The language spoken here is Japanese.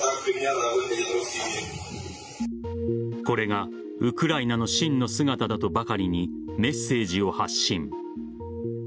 これがウクライナの真の姿だとばかりにメッセージを発信。